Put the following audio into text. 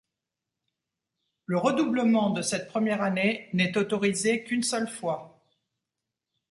Le redoublement de cette première année n’est autorisé qu’une seule fois.